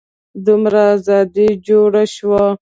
دومره ازادي جوړه شوه.